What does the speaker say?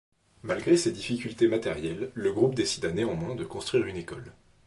Malgré ses difficultés matérielles, le groupe décida néanmoins de construire une école.